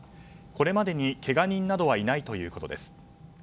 これまでに、けが人などはいないということです。